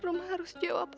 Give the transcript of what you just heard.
rum harus jawabnya